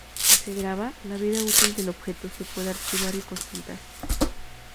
Si se graba, la vida útil del objeto se puede archivar y consultar.